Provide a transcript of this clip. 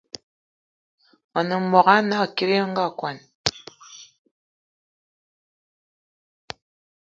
Me nem mbogue ana kiri me nga kwan